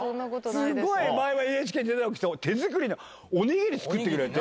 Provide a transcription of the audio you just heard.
すごい前はＮＨＫに出演したとき、手作りのおにぎり作ってくれて。